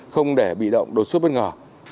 không để bị động đột xuất bất ngờ